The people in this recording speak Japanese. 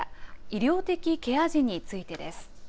医療的ケア児についてです。